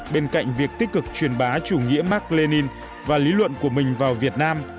bên cạnh việc tích cực truyền bá chủ nghĩa mark lenin và lý luận của mình vào việt nam